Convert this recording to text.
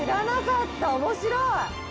面白い！